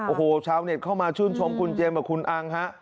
โอ้โหชาวเน็ตเข้ามาชื่นชมคุณเจมส์กับคุณอังฮะ